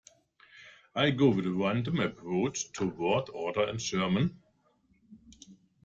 I go with a random approach to word order in German.